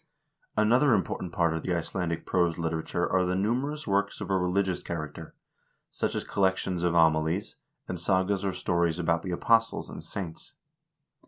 Another important part of the Icelandic prose literature are the numerous works of a religious character, such as collections of homilies, and sagas or stories about the apostles and saints.